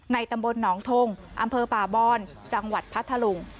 ตำบลหนองทงอำเภอป่าบอนจังหวัดพัทธลุง